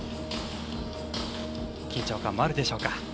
緊張感もあるでしょうか。